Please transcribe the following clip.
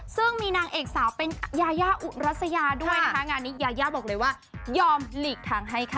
ซึ่งมีนางเอกสาวเป็นยายาอุรัสยาด้วยนะคะงานนี้ยายาบอกเลยว่ายอมหลีกทางให้ค่ะ